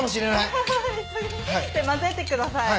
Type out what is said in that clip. で混ぜてください。